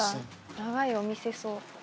長いお店そう。